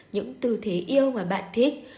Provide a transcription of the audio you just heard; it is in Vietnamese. những tư thế yêu mà bạn thích